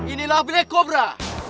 inilah black cobra